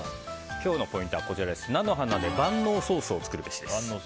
今日のポイントは菜の花で万能ソースを作るべしです。